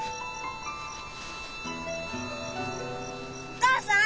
お母さん！